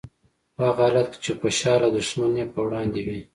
په هغه حالت کې چې خوشحاله دښمن یې په وړاندې وي.